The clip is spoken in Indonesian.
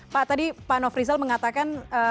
pak tadi pak nofrizal mengatakan